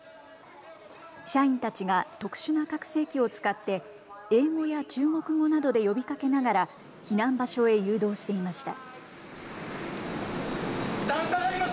社員たちが特殊な拡声機を使って英語や中国語などで呼びかけながら避難場所へ誘導していました。